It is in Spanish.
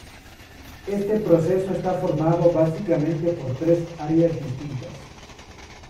Este proceso está formado básicamente por tres áreas distintas.